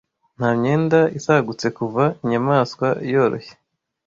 Nta myenda isagutse kuva inyamaswa yoroshye